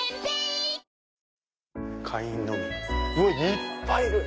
いっぱいいる！